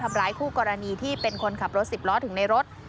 ทำร้ายคู่กรณีที่เป็นคนขับรถสิบล้อถึงในรถ